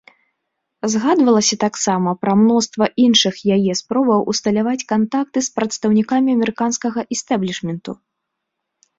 Згадвалася таксама пра мноства іншых яе спробаў усталяваць кантакты з прадстаўнікамі амерыканскага істэблішменту.